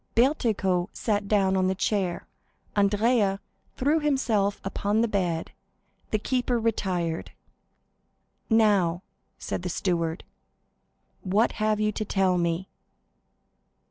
Bertuccio sat down upon the chair, Andrea threw himself upon the bed; the keeper retired. "Now," said the steward, "what have you to tell me?"